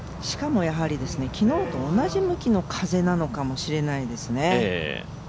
しかも昨日と同じ向きの風なのかもしれないですね。